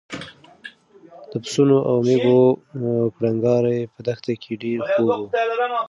د پسونو او مېږو کړنګار په دښته کې ډېر خوږ و.